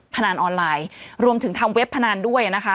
พนันออนไลน์รวมถึงทำเว็บพนันด้วยนะคะ